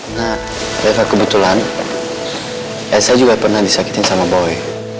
nah reva kebetulan saya juga pernah disakitin sama boy